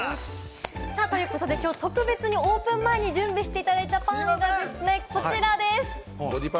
きょう特別に、オープン前に準備していただいたパンなんですね、こちらです。